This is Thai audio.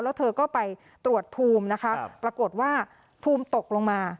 แล้วเธอก็ไปตรวจภูมินะคะปรากฏว่าภูมิตกลงมา